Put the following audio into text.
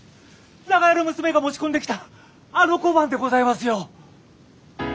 長屋の娘が持ち込んできたあの小判でございますよ。